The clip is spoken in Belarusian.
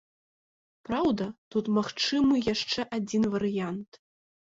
Праўда, тут магчымы яшчэ адзін варыянт.